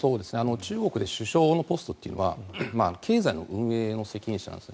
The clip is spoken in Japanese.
中国で首相のポストというのは経済の運営の責任者なんです。